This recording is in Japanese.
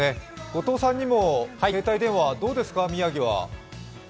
後藤さんにも携帯電話どうですか、宮城は？